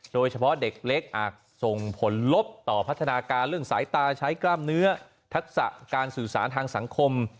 โดยเฉพาะเด็กเล็กอาจส่งผลลบต่อพัฒนาการเรื่องสายตาใช้กล้ามเนื้อทักษะการสื่อสารทางสังคม